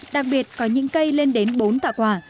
đặc biệt có những cây lên đến bốn tạ quả